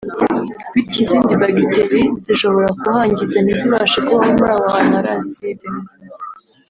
bityo izindi bagiteri zishobora kuhangiza ntizibashe kubaho muri aho hantu hari acide